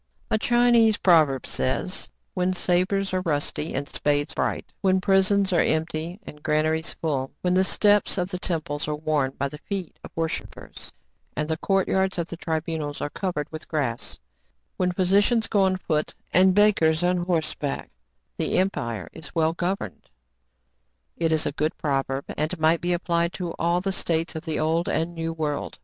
A Chinese proverb says, —" When sabres are rusty, and spades bright ;" When prisons are empty, and granaries full ;" When the steps of the temples are worn by the feet of worshippers, and the court yards of the tribunals are cov ered with grass ; "When physicians go on foot, and bakers on horse back, —" The empire is well governed." It is a good proverb, and might be applied to all the States of the Old and New World.